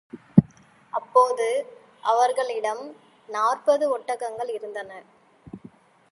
அப்போது அவர்களிடம் நாற்பது ஒட்டகங்கள் இருந்தன.